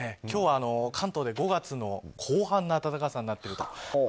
今日は関東で５月後半の暖かさになっていると。